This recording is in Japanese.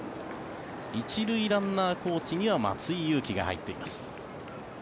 １塁ランナーコーチには松井裕樹が入っています。